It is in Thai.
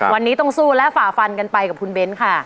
วันนี้ต้องสู้และฝ่าฟันกันไปกับคุณเบ้นค่ะ